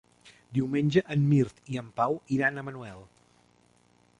Diumenge en Mirt i en Pau iran a Manuel.